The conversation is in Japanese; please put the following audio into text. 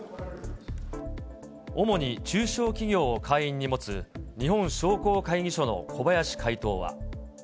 主に中小企業を会員に持つ日本商工会議所の小林会頭は。